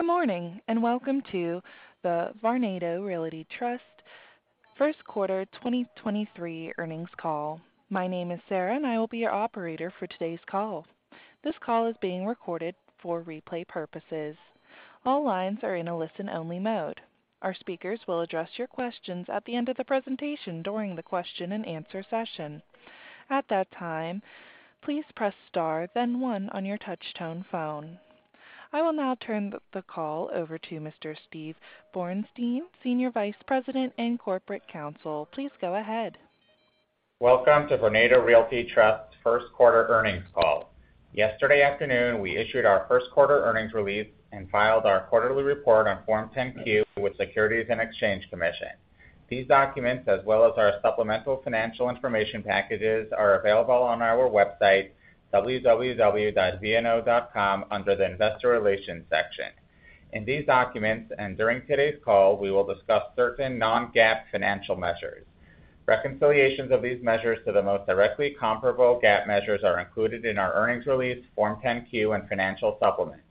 Good morning, and welcome to the Vornado Realty Trust first quarter 2023 earnings call. My name is Sarah, and I will be your operator for today's call. This call is being recorded for replay purposes. All lines are in a listen-only mode. Our speakers will address your questions at the end of the presentation during the question-and-answer session. At that time, please press star then one on your touch-tone phone. I will now turn the call over to Mr. Steve Borenstein, Senior Vice President and Corporate Counsel. Please go ahead. Welcome to Vornado Realty Trust first quarter earnings call. Yesterday afternoon, we issued our first quarter earnings release and filed our quarterly report on Form 10-Q with Securities and Exchange Commission. These documents, as well as our supplemental financial information packages, are available on our website www.vno.com under the Investor Relations section. In these documents, during today's call, we will discuss certain non-GAAP financial measures. Reconciliations of these measures to the most directly comparable GAAP measures are included in our earnings release, Form 10-Q and financial supplements.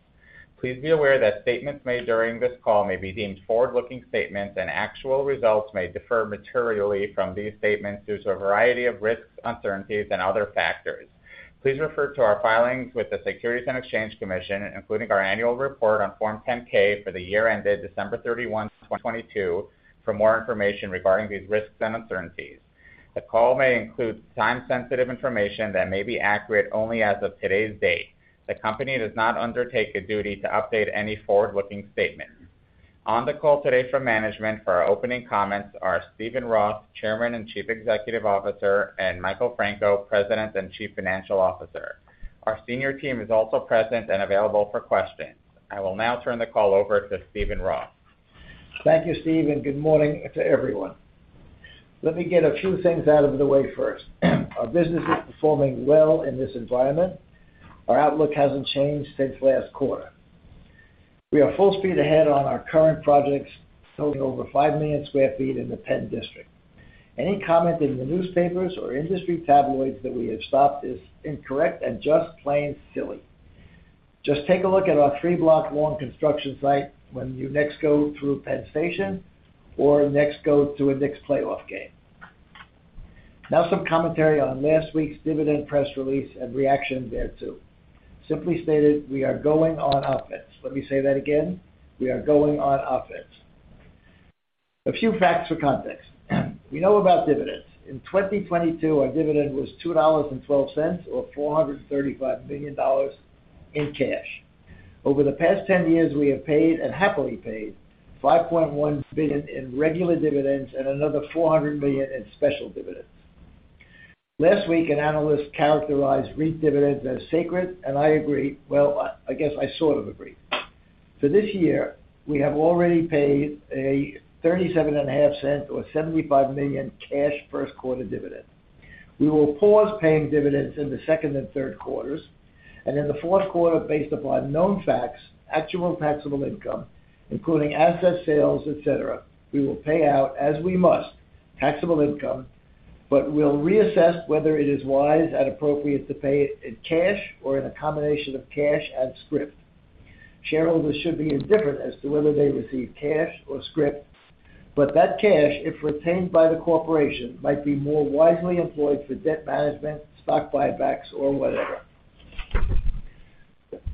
Please be aware that statements made during this call may be deemed forward-looking statements, and actual results may differ materially from these statements due to a variety of risks, uncertainties, and other factors. Please refer to our filings with the Securities and Exchange Commission, including our annual report on Form 10-K for the year ended December 31, 2022 for more information regarding these risks and uncertainties. The call may include time-sensitive information that may be accurate only as of today's date. The company does not undertake a duty to update any forward-looking statement. On the call today from management for our opening comments are Steven Roth, Chairman and Chief Executive Officer, and Michael Franco, President and Chief Financial Officer. Our senior team is also present and available for questions. I will now turn the call over to Steven Roth. Thank you, Steve. Good morning to everyone. Let me get a few things out of the way first. Our business is performing well in this environment. Our outlook hasn't changed since last quarter. We are full speed ahead on our current projects, totaling over 5 million sq ft in the PENN District. Any comment in the newspapers or industry tabloids that we have stopped is incorrect and just plain silly. Just take a look at our three-block long construction site when you next go through Penn Station or next go to a Knicks playoff game. Some commentary on last week's dividend press release and reaction thereto. Simply stated, we are going on offense. Let me say that again. We are going on offense. A few facts for context. We know about dividends. In 2022, our dividend was $2.12, or $435 million in cash. Over the past 10 years, we have paid and happily paid $5.1 billion in regular dividends and another $400 million in special dividends. Last week, an analyst characterized REIT dividends as sacred. I agree. Well, I guess I sort of agree. For this year, we have already paid a $0.375 or $75 million cash first quarter dividend. We will pause paying dividends in the second and third quarters. In the fourth quarter, based upon known facts, actual taxable income, including asset sales, et cetera, we will pay out, as we must, taxable income, but we'll reassess whether it is wise and appropriate to pay it in cash or in a combination of cash and scrip. Shareholders should be indifferent as to whether they receive cash or scrip, but that cash, if retained by the corporation, might be more wisely employed for debt management, stock buybacks or whatever.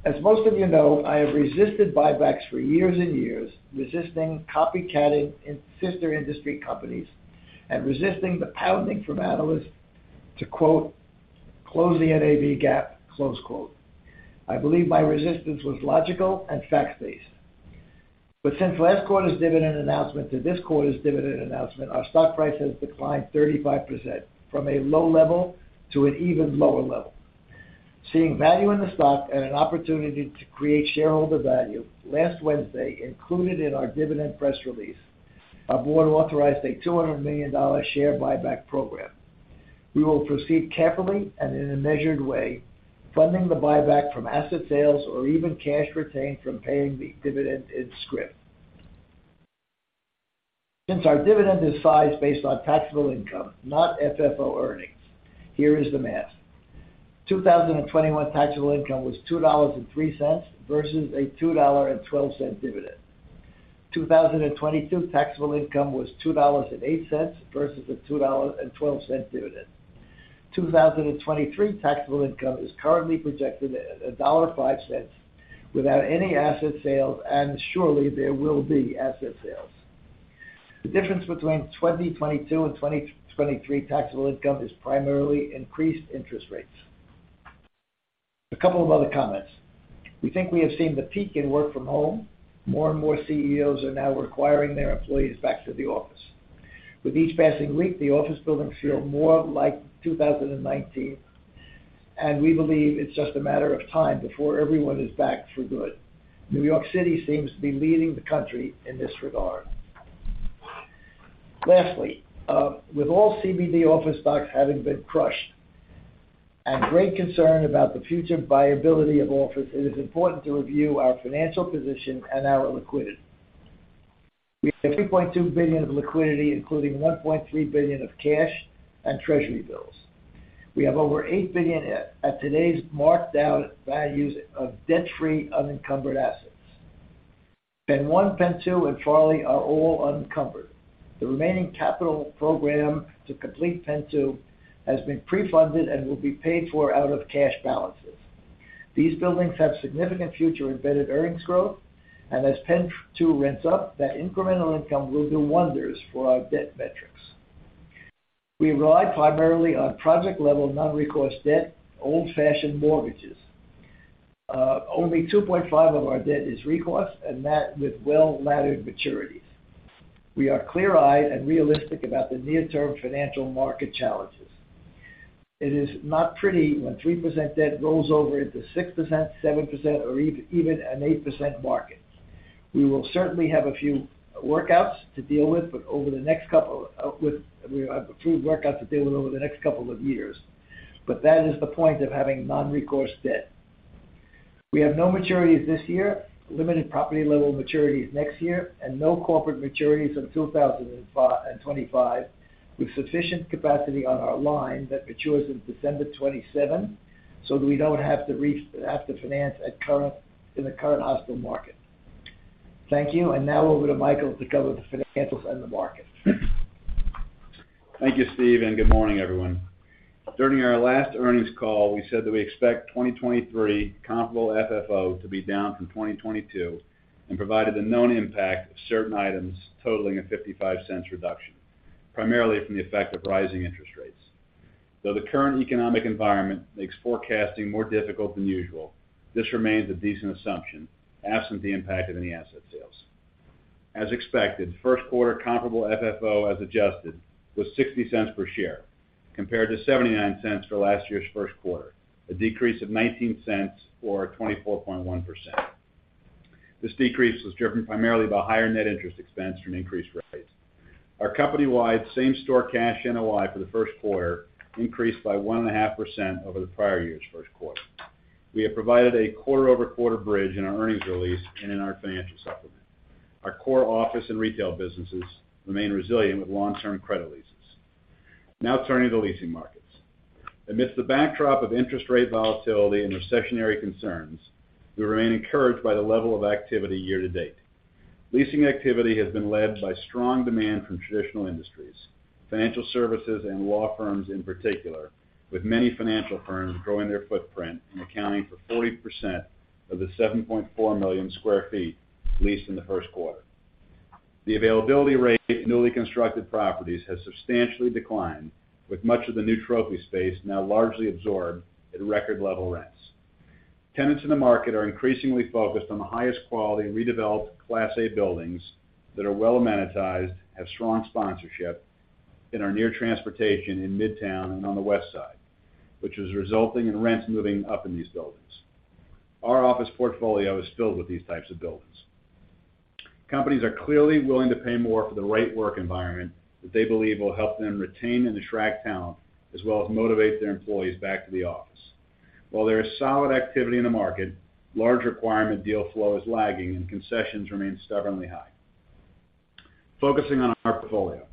As most of you know, I have resisted buybacks for years and years, resisting copycatting in sister industry companies and resisting the pounding from analysts to close the NAV gap. Since last quarter's dividend announcement to this quarter's dividend announcement, our stock price has declined 35% from a low level to an even lower level. Seeing value in the stock and an opportunity to create shareholder value, last Wednesday, included in our dividend press release, our board authorized a $200 million share buyback program. We will proceed carefully and in a measured way, funding the buyback from asset sales or even cash retained from paying the dividend in scrip. Since our dividend is sized based on taxable income, not FFO earnings, here is the math. 2021 taxable income was $2.03 versus a $2.12 dividend. 2022 taxable income was $2.08 versus a $2.12 dividend. 2023 taxable income is currently projected at $1.05 without any asset sales. Surely there will be asset sales. The difference between 2022 and 2023 taxable income is primarily increased interest rates. A couple of other comments. We think we have seen the peak in work from home. More and more CEOs are now requiring their employees back to the office. With each passing week, the office buildings feel more like 2019, and we believe it's just a matter of time before everyone is back for good. New York City seems to be leading the country in this regard. Lastly, with all CBD office stocks having been crushed and great concern about the future viability of office, it is important to review our financial position and our liquidity. We have $3.2 billion of liquidity, including $1.3 billion of cash and treasury bills. We have over $8 billion at today's marked down values of debt-free unencumbered assets. PENN 2, and Farley are all unencumbered. The remaining capital program to PENN 2 has been pre-funded and will be paid for out of cash balances. These buildings have significant future embedded earnings growth. PENN 2 rents up, that incremental income will do wonders for our debt metrics. We rely primarily on project-level non-recourse debt, old-fashioned mortgages. Only 2.5% of our debt is recourse, and that with well-laddered maturities. We are clear-eyed and realistic about the near-term financial market challenges. It is not pretty when 3% debt rolls over into 6%, 7%, or even an 8% market. We will certainly have a few workouts to deal with over the next couple of years. That is the point of having non-recourse debt. We have no maturities this year, limited property-level maturities next year, and no corporate maturities until 2025, with sufficient capacity on our line that matures in December 2027, so that we don't have to finance in the current hostile market. Thank you. Now over to Michael to cover the financials and the market. Thank you, Steve. Good morning, everyone. During our last earnings call, we said that we expect 2023 comparable FFO to be down from 2022 and provided the known impact of certain items totaling a $0.55 reduction, primarily from the effect of rising interest rates. Though the current economic environment makes forecasting more difficult than usual, this remains a decent assumption, absent the impact of any asset sales. As expected, first quarter comparable FFO, as adjusted, was $0.60 per share, compared to $0.79 for last year's first quarter, a decrease of $0.19 or 24.1%. This decrease was driven primarily by higher net interest expense from increased rates. Our company-wide same-store cash NOI for the first quarter increased by 1.5% over the prior year's first quarter. We have provided a quarter-over-quarter bridge in our earnings release and in our financial supplement. Our core office and retail businesses remain resilient with long-term credit leases. Turning to leasing markets. Amidst the backdrop of interest rate volatility and recessionary concerns, we remain encouraged by the level of activity year-to-date. Leasing activity has been led by strong demand from traditional industries, financial services and law firms in particular, with many financial firms growing their footprint and accounting for 40% of the 7.4 million sq ft leased in the first quarter. The availability rate of newly constructed properties has substantially declined, with much of the new trophy space now largely absorbed at record-level rents. Tenants in the market are increasingly focused on the highest quality redeveloped Class A buildings that are well amenitized, have strong sponsorship, and are near transportation in Midtown and on the West Side, which is resulting in rents moving up in these buildings. Our office portfolio is filled with these types of buildings. Companies are clearly willing to pay more for the right work environment that they believe will help them retain and attract talent, as well as motivate their employees back to the office. While there is solid activity in the market, large requirement deal flow is lagging and concessions remain stubbornly high. Focusing on our portfolio.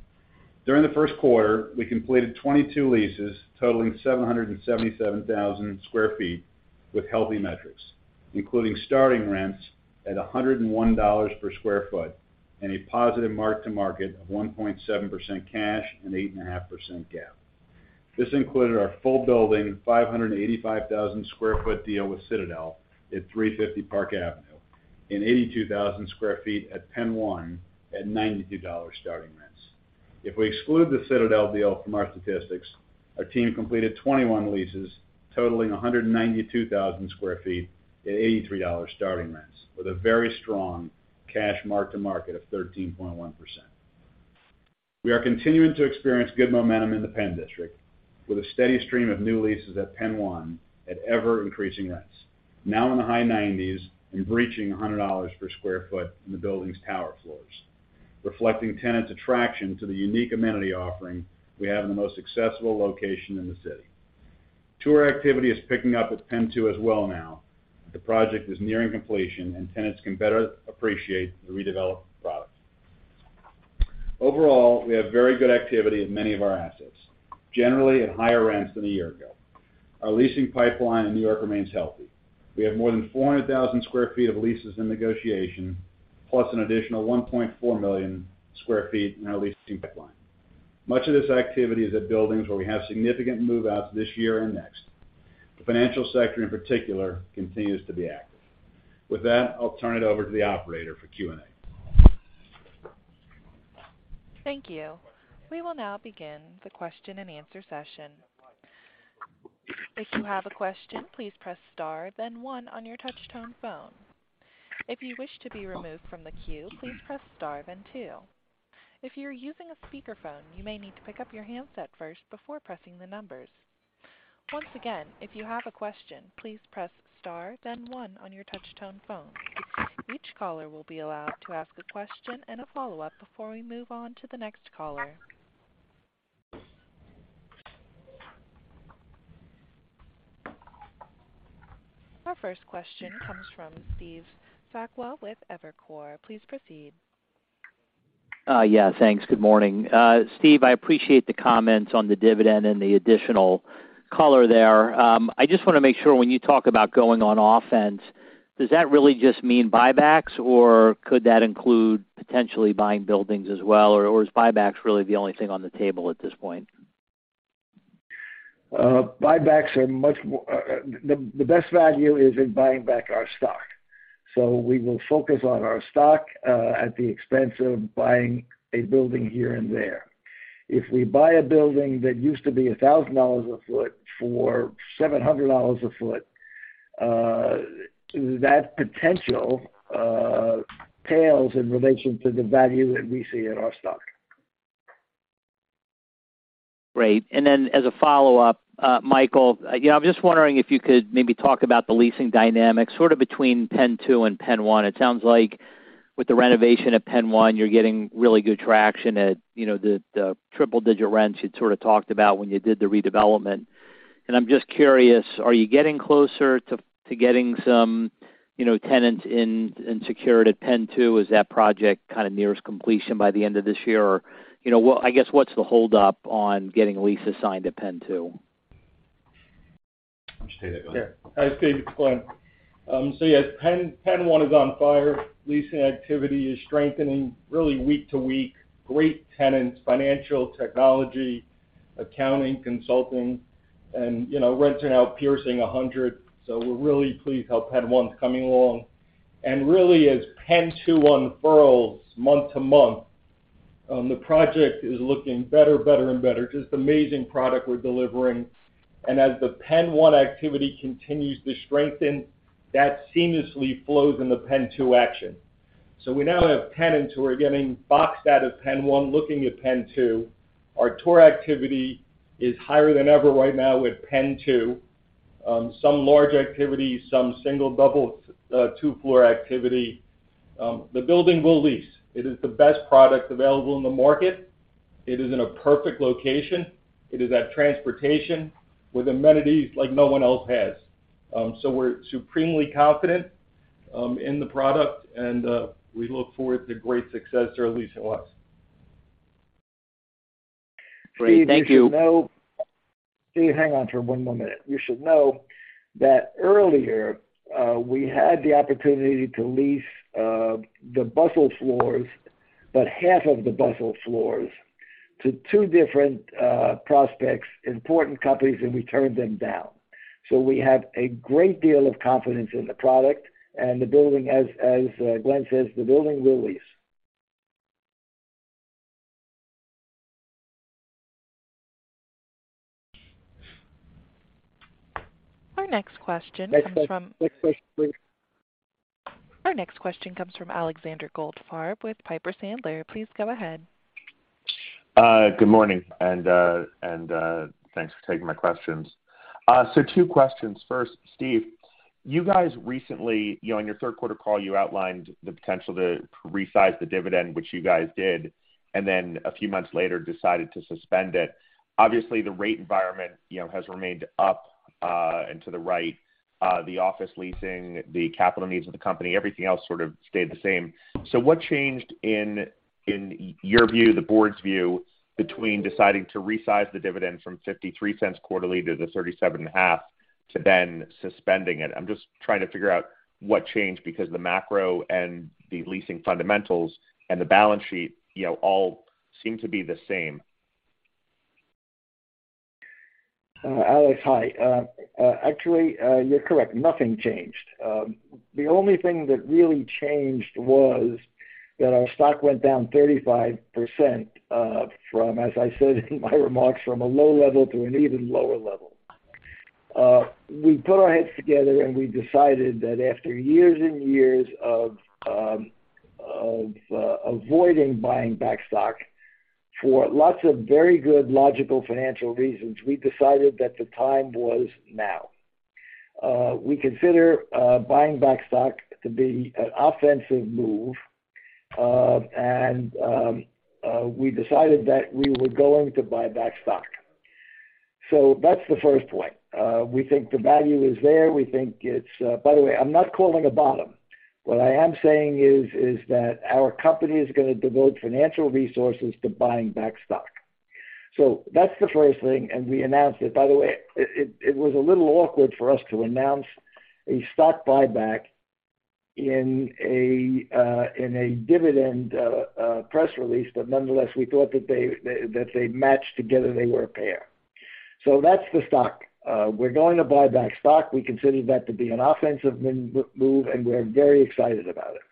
During the first quarter, we completed 22 leases totaling 777,000 sq ft with healthy metrics, including starting rents at $101 per square foot and a positive mark-to-market of 1.7% cash and 8.5% GAAP. This included our full building, 585,000 sq ft deal with Citadel at 350 Park Avenue and 82,000 sq ft PENN 1 at $92 starting rents. If we exclude the Citadel deal from our statistics, our team completed 21 leases totaling 192,000 sq ft at $83 starting rents with a very strong cash mark-to-market of 13.1%. We are continuing to experience good momentum in the PENN District with a steady stream of new leases PENN 1 at ever-increasing rents, now in the high 90s and breaching $100 per sq ft in the building's tower floors, reflecting tenants' attraction to the unique amenity offering we have in the most accessible location in the city. Tour activity is picking up PENN 2 as well now. The project is nearing completion, and tenants can better appreciate the redeveloped product. Overall, we have very good activity in many of our assets, generally at higher rents than a year ago. Our leasing pipeline in New York remains healthy. We have more than 400,000 sq ft of leases in negotiation, plus an additional 1.4 million sq ft in our leasing pipeline. Much of this activity is at buildings where we have significant move-outs this year and next. The financial sector, in particular, continues to be active. With that, I'll turn it over to the operator for Q&A. Thank you. We will now begin the question-and-answer session. If you have a question, please press star then one on your touch-tone phone. If you wish to be removed from the queue, please press star then two. If you're using a speakerphone, you may need to pick up your handset first before pressing the numbers. Once again, if you have a question, please press star then one on your touch-tone phone. Each caller will be allowed to ask a question and a follow-up before we move on to the next caller. Our first question comes from Steve Sakwa with Evercore. Please proceed. Yeah, thanks. Good morning. Steve, I appreciate the comments on the dividend and the additional color there. I just wanna make sure when you talk about going on offense, does that really just mean buybacks, or could that include potentially buying buildings as well, or is buybacks really the only thing on the table at this point? Buybacks are much more... the best value is in buying back our stock. We will focus on our stock at the expense of buying a building here and there. If we buy a building that used to be $1,000 a foot for $700 a foot, that potential pales in relation to the value that we see in our stock. Great. Then as a follow-up, Michael, you know, I'm just wondering if you could maybe talk about the leasing dynamics sort of between PENN 2 and PENN 1. It sounds like with the renovation at PENN 1, you're getting really good traction at, you know, the triple-digit rents you'd sort of talked about when you did the redevelopment. I'm just curious, are you getting closer to getting some, you know, tenants in secured at PENN 2? Is that project kind of nearest completion by the end of this year? You know, I guess, what's the hold up on getting leases signed at PENN 2? I'll just take that, Glen. Yeah. Steve, it's Glen. Yes, PENN 1 is on fire. Leasing activity is strengthening really week to week. Great tenants, financial technology, accounting, consulting, and, you know, renting out piercing 100. We're really pleased how PENN 1's coming along. Really, as PENN 2 unfurls month to month, the project is looking better and better. Just amazing product we're delivering. As the PENN 1 activity continues to strengthen, that seamlessly flows in the PENN 2 action. We now have tenants who are getting boxed out of PENN 1 looking at PENN 2. Our tour activity is higher than ever right now with PENN 2. Some large activities, some single, double, two-floor activity. The building will lease. It is the best product available in the market. It is in a perfect location. It is at transportation with amenities like no one else has. We're supremely confident in the product, and we look forward to great success or leasing wise. Great. Thank you. Steve, you should know. Steve, hang on for one more minute. You should know that earlier, we had the opportunity to lease the bustle floors, but half of the bustle floors to two different prospects, important companies, and we turned them down. We have a great deal of confidence in the product and the building. As Glen says, the building will lease. Our next question comes from... Next question, please. Our next question comes from Alexander Goldfarb with Piper Sandler. Please go ahead. Good morning, and thanks for taking my questions. Two questions. First, Steve, you guys recently, you know, in your third quarter call, you outlined the potential to resize the dividend, which you guys did, and then a few months later, decided to suspend it. Obviously, the rate environment, you know, has remained up and to the right, the office leasing, the capital needs of the company, everything else sort of stayed the same. What changed in your view, the board's view, between deciding to resize the dividend from $0.53 quarterly to the $0.375, to then suspending it? I'm just trying to figure out what changed because the macro and the leasing fundamentals and the balance sheet, you know, all seem to be the same. Alex, hi. Actually, you're correct. Nothing changed. The only thing that really changed was that our stock went down 35%, from, as I said in my remarks, from a low level to an even lower level. We put our heads together, we decided that after years and years of avoiding buying back stock for lots of very good logical financial reasons, we decided that the time was now. We consider buying back stock to be an offensive move. We decided that we were going to buy back stock. That's the first point. We think the value is there. We think it's... By the way, I'm not calling a bottom. What I am saying is that our company is gonna devote financial resources to buying back stock. That's the first thing, and we announced it. By the way, it was a little awkward for us to announce a stock buyback in a in a dividend press release. Nonetheless, we thought that they matched together, they were a pair. That's the stock. We're going to buy back stock. We consider that to be an offensive move, and we're very excited about it.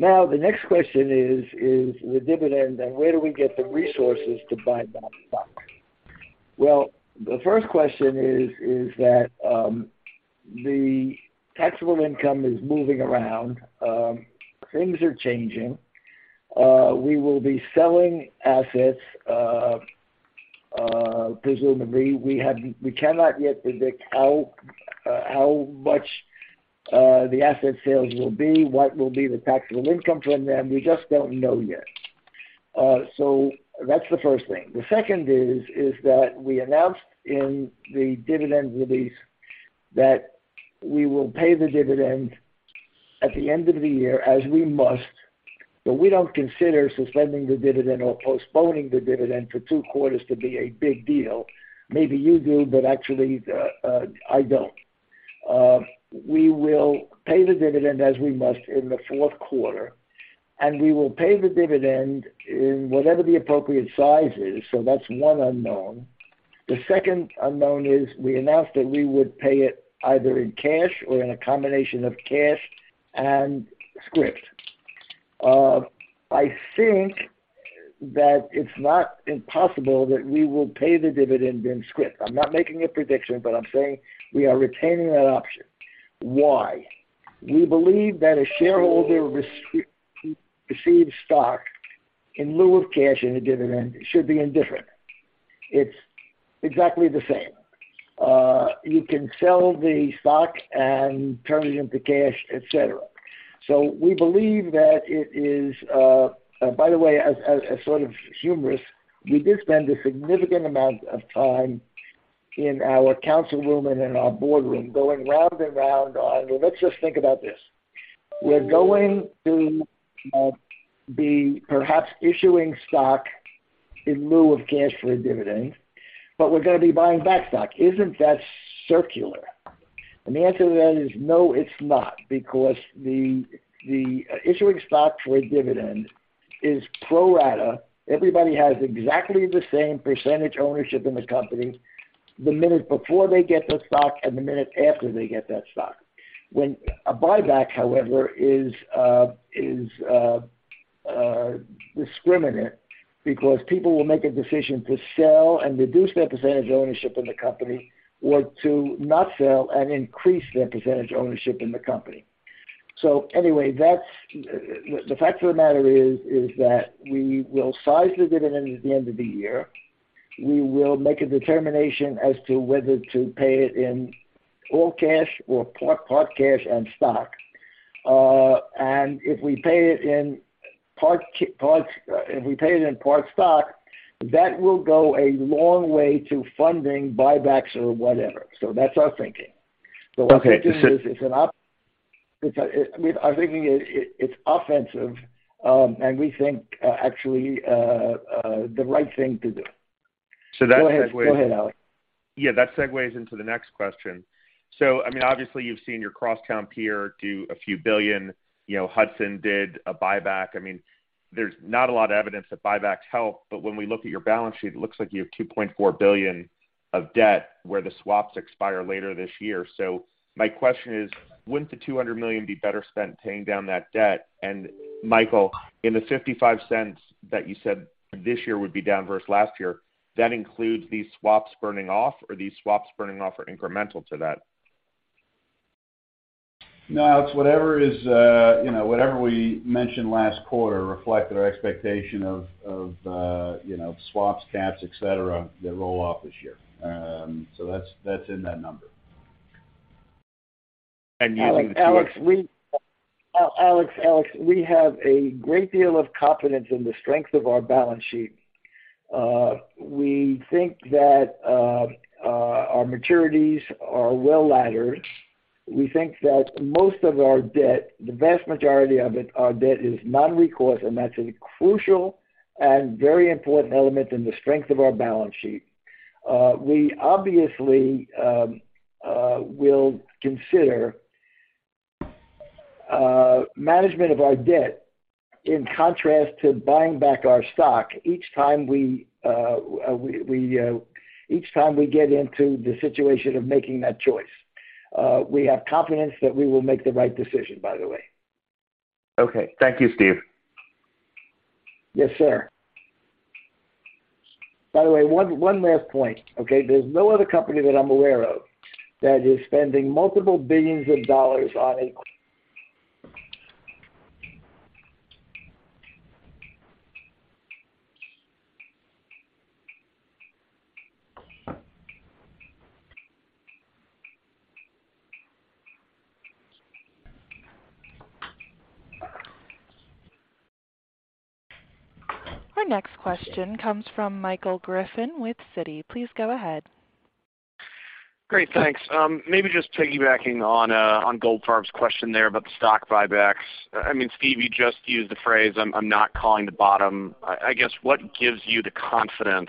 The next question is the dividend, and where do we get the resources to buy back stock? The first question is that the taxable income is moving around. Things are changing. We will be selling assets, presumably. We cannot yet predict how much the asset sales will be, what will be the taxable income from them. We just don't know yet. That's the first thing. The second is that we announced in the dividend release that we will pay the dividend at the end of the year as we must. We don't consider suspending the dividend or postponing the dividend for two quarters to be a big deal. Maybe you do. Actually, I don't. We will pay the dividend as we must in the fourth quarter. We will pay the dividend in whatever the appropriate size is. That's one unknown. The second unknown is we announced that we would pay it either in cash or in a combination of cash and scrip. I think that it's not impossible that we will pay the dividend in scrip. I'm not making a prediction. I'm saying we are retaining that option. Why? We believe that a shareholder receive stock in lieu of cash in a dividend should be indifferent. It's exactly the same. You can sell the stock and turn it into cash, et cetera. We believe that it is. By the way, as sort of humorous, we did spend a significant amount of time in our council room and in our boardroom going round and round on, well, let's just think about this. We're going to be perhaps issuing stock in lieu of cash for a dividend, but we're gonna be buying back stock. Isn't that circular? The answer to that is no, it's not, because the issuing stock for a dividend is pro rata. Everybody has exactly the same percentage ownership in the company the minute before they get the stock and the minute after they get that stock. When a buyback, however, is discriminate because people will make a decision to sell and reduce their percentage ownership in the company or to not sell and increase their percentage ownership in the company. Anyway, the fact of the matter is that we will size the dividend at the end of the year. We will make a determination as to whether to pay it in all cash or part cash and stock. If we pay it in part stock, that will go a long way to funding buybacks or whatever. That's our thinking. Okay. What we're doing is, It's, I mean, our thinking is it's offensive, and we think, actually, the right thing to do. That segues- Go ahead. Go ahead, Alex. Yeah, that segues into the next question. I mean, obviously, you've seen your crosstown peer do a few billion, you know, Hudson did a buyback. I mean, there's not a lot of evidence that buybacks help, but when we look at your balance sheet, it looks like you have $2.4 billion of debt where the swaps expire later this year. My question is, wouldn't the $200 million be better spent paying down that debt? Michael, in the $0.55 that you said this year would be down versus last year, that includes these swaps burning off, or these swaps burning off are incremental to that? It's whatever is, you know, whatever we mentioned last quarter reflected our expectation of, you know, swaps, caps, et cetera, that roll off this year. That's, that's in that number. You- Alex, we have a great deal of confidence in the strength of our balance sheet. We think that our maturities are well laddered. We think that most of our debt, the vast majority of it, our debt is non-recourse, and that's a crucial and very important element in the strength of our balance sheet. We obviously will consider management of our debt in contrast to buying back our stock each time we get into the situation of making that choice. We have confidence that we will make the right decision, by the way. Okay. Thank you, Steve. Yes, sir. By the way, one last point, okay? There's no other company that I'm aware of that is spending multiple billions of dollars. Our next question comes from Michael Griffin with Citi. Please go ahead. Great. Thanks. Maybe just piggybacking on Goldfarb's question there about the stock buybacks. I mean, Steve, you just used the phrase, I'm not calling the bottom. I guess, what gives you the confidence,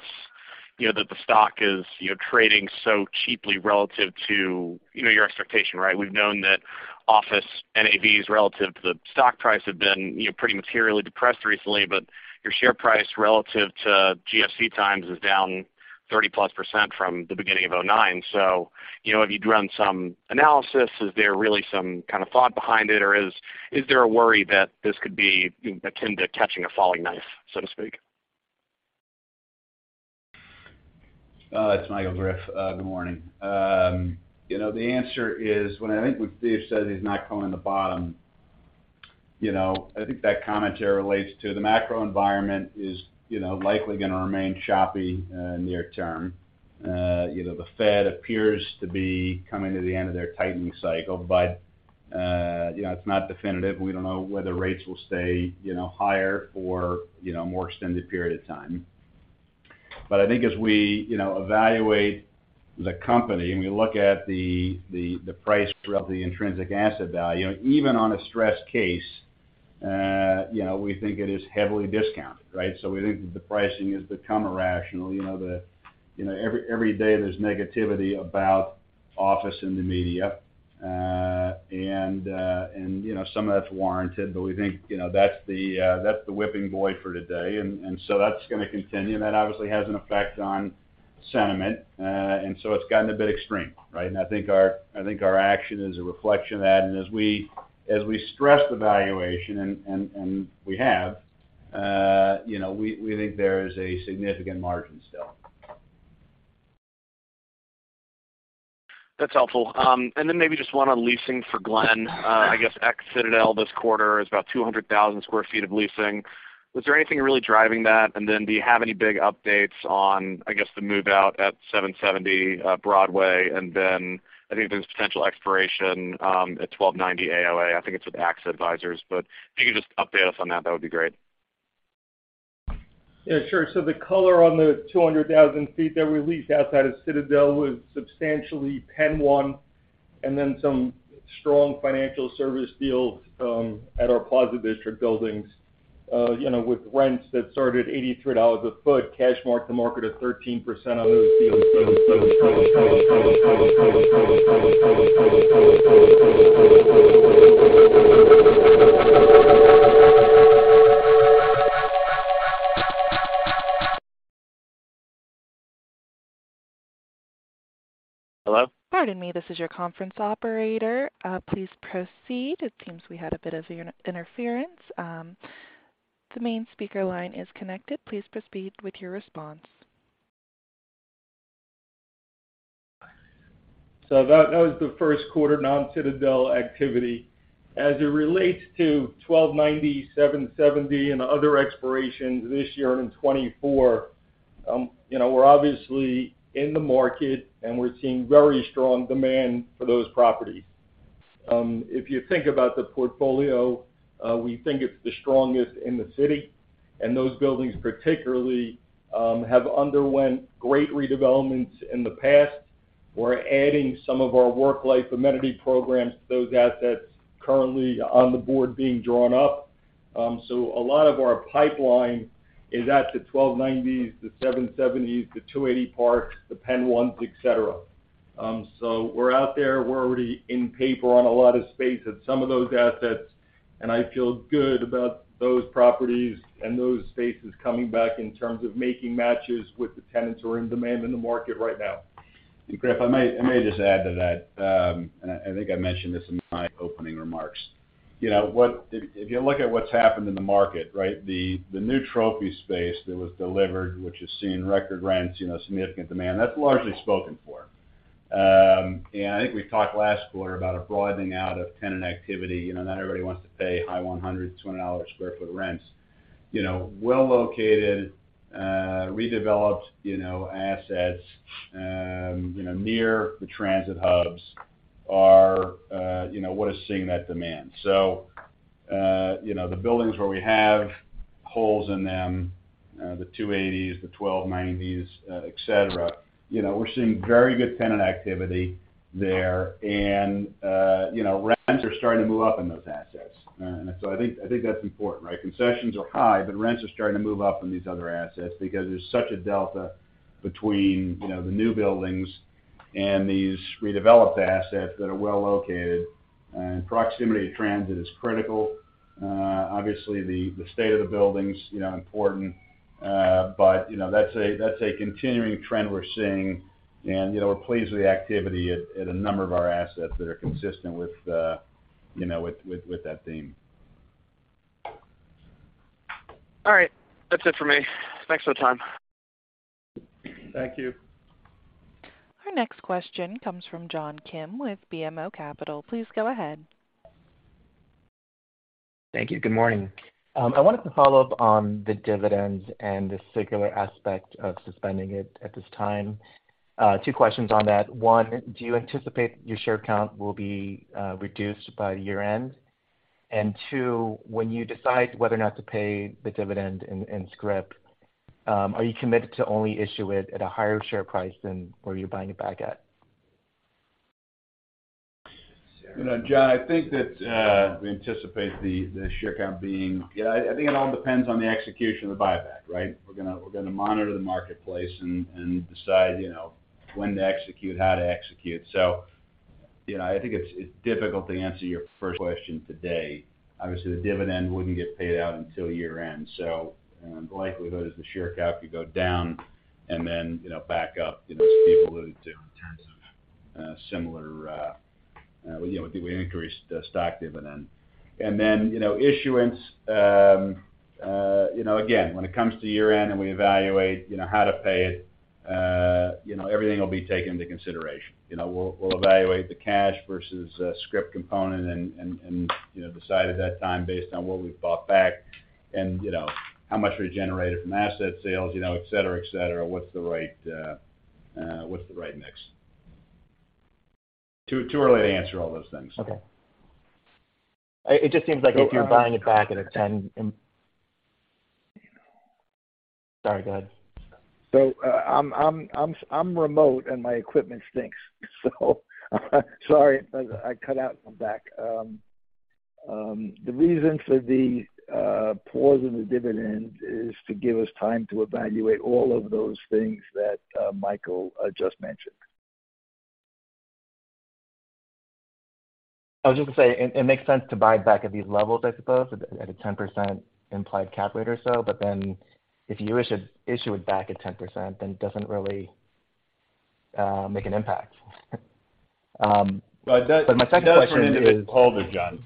you know, that the stock is, you know, trading so cheaply relative to, you know, your expectation, right? We've known that office NAVs relative to the stock price have been, you know, pretty materially depressed recently. Your share price relative to GFC times is down 30%+ from the beginning of 2009. You know, have you done some analysis? Is there really some kind of thought behind it, or is there a worry that this could be a tend to catching a falling knife, so to speak? It's Michael, Griffin. Good morning. You know, the answer is, when I think when Steve says he's not calling the bottom, you know, I think that commentary relates to the macro environment is, you know, likely gonna remain choppy near term. You know, the Fed appears to be coming to the end of their tightening cycle, but, you know, it's not definitive. We don't know whether rates will stay, you know, higher for, you know, a more extended period of time. I think as we, you know, evaluate the company and we look at the price throughout the intrinsic asset value, even on a stress case, you know, we think it is heavily discounted, right? We think that the pricing has become irrational. You know, every day there's negativity about office in the media. You know, some of that's warranted, but we think, you know, that's the whipping boy for today. So that's going to continue, and that obviously has an effect on sentiment. So it's gotten a bit extreme, right? I think our action is a reflection of that. As we stress the valuation and we have, you know, we think there is a significant margin still. That's helpful. Maybe just one on leasing for Glen. I guess ex-Citadel this quarter is about 200,000 sq ft of leasing. Was there anything really driving that? Do you have any big updates on, I guess, the move-out at 770 Broadway? I think there's potential expiration at 1290 AOA. I think it's with AXA Advisors. If you could just update us on that would be great. Yeah, sure. The color on the 200,000 sq ft that we leased outside of Citadel was substantially PENN 1 and then some strong financial service deals, at our Plaza District buildings, you know, with rents that started at $83 per sq ft, cash marked the market at 13% on those deals. So Hello? Pardon me. This is your conference operator. Please proceed. It seems we had a bit of interference. The main speaker line is connected. Please proceed with your response. That was the first quarter non-Citadel activity. As it relates to 1290, 770 and other expirations this year and in 2024, you know, we're obviously in the market, we're seeing very strong demand for those properties. If you think about the portfolio, we think it's the strongest in the city, those buildings particularly have underwent great redevelopments in the past. We're adding some of our work-life amenity programs to those assets currently on the board being drawn up. A lot of our pipeline is at the 1290s, the 770s, the 280 Park Avenue, the PENN 1, et cetera. We're out there. We're already in paper on a lot of space at some of those assets. I feel good about those properties and those spaces coming back in terms of making matches with the tenants who are in demand in the market right now. Griffin, I may just add to that. I think I mentioned this in my opening remarks. You know, if you look at what's happened in the market, right? The new trophy space that was delivered, which has seen record rents, you know, significant demand, that's largely spoken for. I think we talked last quarter about a broadening out of tenant activity. You know, not everybody wants to pay high $100-$120 sq ft rents. You know, well-located, redeveloped, you know, assets, you know, near the transit hubs are, you know, what is seeing that demand. You know, the buildings where we have holes in them, the 280s, the 1290s, et cetera, you know, we're seeing very good tenant activity there. You know, rents are starting to move up in those assets. I think that's important, right? Concessions are high, but rents are starting to move up in these other assets because there's such a delta between, you know, the new buildings and these redeveloped assets that are well-located. Proximity to transit is critical. Obviously, the state of the building's, you know, important. You know, that's a continuing trend we're seeing. You know, we're pleased with the activity at a number of our assets that are consistent with, you know, with that theme. All right. That's it for me. Thanks for the time. Thank you. Our next question comes from John Kim with BMO Capital. Please go ahead. Thank you. Good morning. I wanted to follow up on the dividends and the singular aspect of suspending it at this time. Two questions on that. One, do you anticipate your share count will be reduced by year-end? Two, when you decide whether or not to pay the dividend in scrip, are you committed to only issue it at a higher share price than where you're buying it back at? You know, John, I think that, we anticipate the share count being... Yeah, I think it all depends on the execution of the buyback, right? We're gonna monitor the marketplace and decide, you know, when to execute, how to execute. I think it's difficult to answer your first question today. Obviously, the dividend wouldn't get paid out until year-end. The likelihood is the share count could go down and then, you know, back up, you know, as Steve alluded to in terms of, similar, you know, we increased the stock dividend. Then, you know, issuance, you know, again, when it comes to year-end and we evaluate, you know, how to pay it, you know, everything will be taken into consideration. You know, we'll evaluate the cash versus scrip component and, you know, decide at that time based on what we've bought back and, you know, how much we generated from asset sales, you know, et cetera, et cetera, what's the right mix? Too early to answer all those things. Okay. It just seems like if you're buying it back at a 10%. Sorry, go ahead. I'm remote, and my equipment stinks. So sorry if I cut out and come back. The reason for the pause in the dividend is to give us time to evaluate all of those things that Michael just mentioned. I was just gonna say, it makes sense to buy back at these levels, I suppose, at a 10% implied cap rate or so. If you issue it back at 10%, then it doesn't really make an impact. My second question is. It does for an individual holder, John,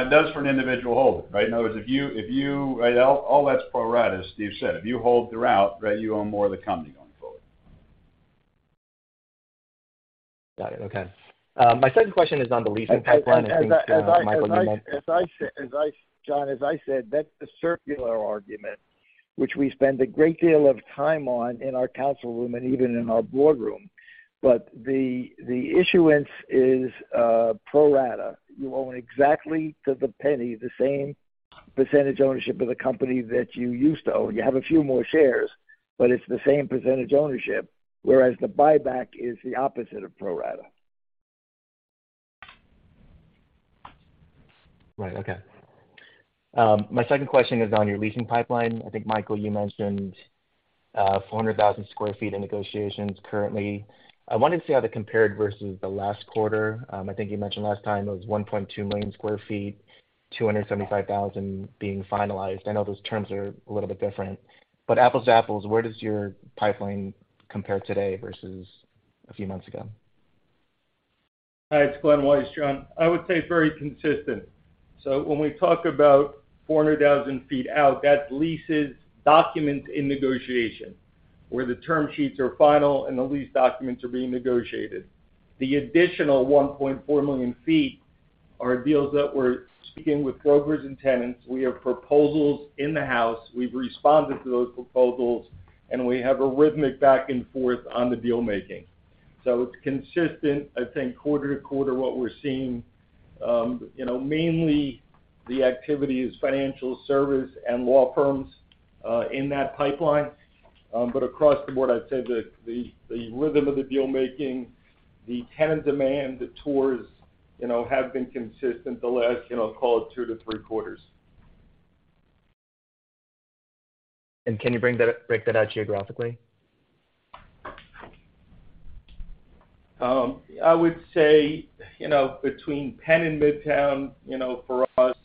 it does for an individual holder, right? In other words, if you, right? All that's pro rata, as Steve said. If you hold throughout, right, you own more of the company going forward. Got it. Okay. My second question is on the leasing pipeline. I think, Michael. John, as I said, that's a circular argument which we spend a great deal of time on in our council room and even in our boardroom. The, the issuance is pro rata. You own exactly to the penny the same percentage ownership of the company that you used to own. You have a few more shares, but it's the same percentage ownership, whereas the buyback is the opposite of pro rata. Right. Okay. My second question is on your leasing pipeline. I think, Michael, you mentioned, 400,000 sq ft in negotiations currently. I wanted to see how that compared versus the last quarter. I think you mentioned last time it was 1.2 million sq ft, 275,000 being finalized. I know those terms are a little bit different. apples to apples, where does your pipeline compare today versus a few months ago? Hi, it's Glen Weiss, John. I would say it's very consistent. When we talk about 400,000 feet out, that's leases, documents in negotiation, where the term sheets are final and the lease documents are being negotiated. The additional 1.4 million feet are deals that we're speaking with brokers and tenants. We have proposals in the house. We've responded to those proposals, and we have a rhythmic back and forth on the deal-making. It's consistent, I think, quarter-to-quarter, what we're seeing. You know, mainly the activity is financial service and law firms in that pipeline. But across the board, I'd say that the rhythm of the deal-making, the tenant demand, the tours, you know, have been consistent the last, you know, call it two to three quarters. Can you break that out geographically? I would say, you know, between PENN and Midtown, you know, for us,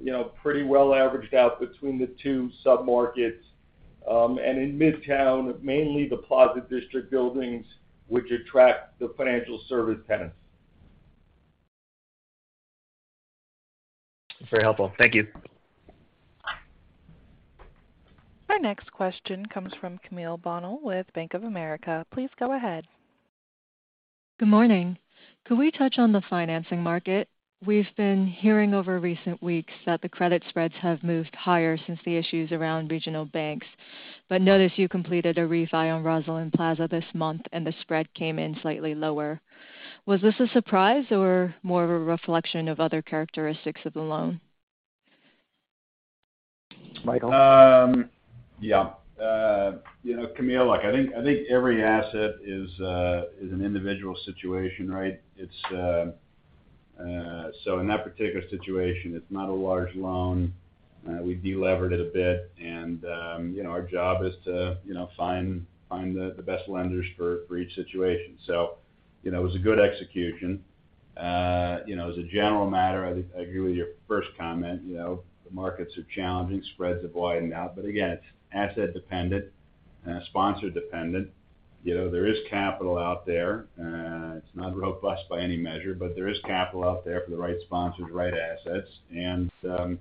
you know, pretty well averaged out between the two sub-markets. In Midtown, mainly the Plaza District buildings, which attract the financial service tenants. Very helpful. Thank you. Our next question comes from Camille Bonnel with Bank of America. Please go ahead. Good morning. Could we touch on the financing market? We've been hearing over recent weeks that the credit spreads have moved higher since the issues around regional banks. Notice you completed a refi on Rosslyn Plaza this month, and the spread came in slightly lower. Was this a surprise or more of a reflection of other characteristics of the loan? Michael? Yeah. You know, Camille, look, I think every asset is an individual situation, right? In that particular situation, it's not a large loan. We de-levered it a bit, and, you know, our job is to, you know, find the best lenders for each situation. You know, it was a good execution. You know, as a general matter, I agree with your first comment. You know, the markets are challenging, spreads have widened out. Again, it's asset dependent and sponsor dependent. You know, there is capital out there. It's not robust by any measure, there is capital out there for the right sponsors, right assets. You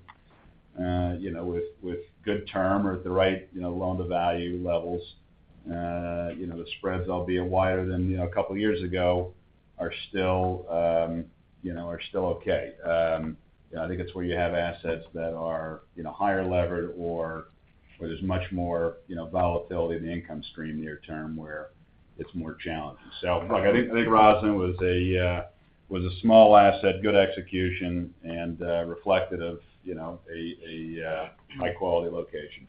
know, with good term or at the right, you know, loan-to-value levels, you know, the spreads, albeit wider than, you know, a couple of years ago, are still, you know, are still okay. You know, I think it's where you have assets that are, you know, higher levered or where there's much more, you know, volatility in the income stream near term where it's more challenging. Look, I think Rosslyn was a small asset, good execution, and reflective of, you know, a high-quality location.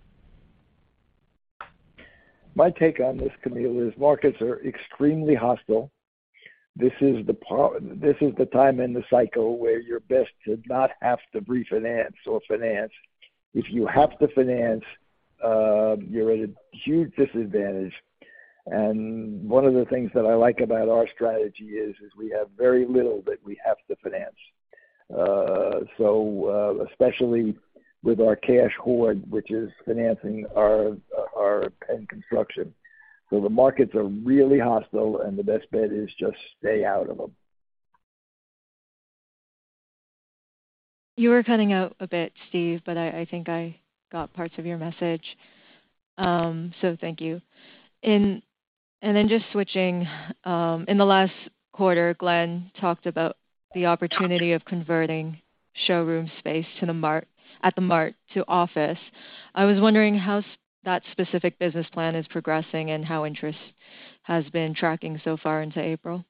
My take on this, Camille, is markets are extremely hostile. This is the time in the cycle where you're best to not have to refinance or finance. If you have to finance, you're at a huge disadvantage. One of the things that I like about our strategy is we have very little that we have to finance, especially with our cash hoard, which is financing our and construction. The markets are really hostile, and the best bet is just stay out of them. You were cutting out a bit, Steve, but I think I got parts of your message. Thank you. Just switching, in the last quarter, Glen talked about the opportunity of converting showroom space at the MART to office. I was wondering how that specific business plan is progressing and how interest has been tracking so far into April?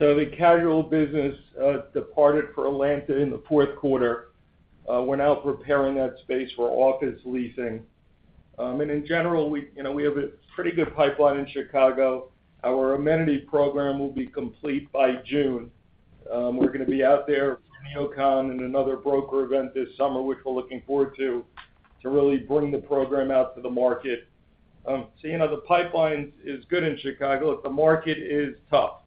The casual business departed for Atlanta in the fourth quarter. We're now preparing that space for office leasing. In general, we, you know, we have a pretty good pipeline in Chicago. Our amenity program will be complete by June. We're gonna be out there for NeoCon and another broker event this summer, which we're looking forward to really bring the program out to the market. You know, the pipeline is good in Chicago. The market is tough.